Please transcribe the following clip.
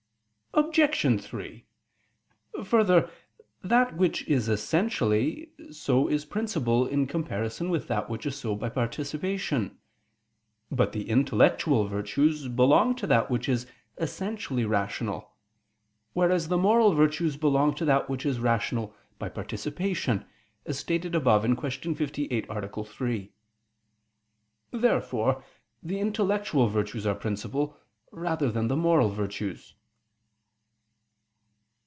Obj. 3: Further, that which is essentially so is principal in comparison with that which is so by participation. But the intellectual virtues belong to that which is essentially rational: whereas the moral virtues belong to that which is rational by participation, as stated above (Q. 58, A. 3). Therefore the intellectual virtues are principal, rather than the moral virtues.